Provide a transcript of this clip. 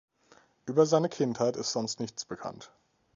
Über seine Kindheit ist sonst Nichts bekannt.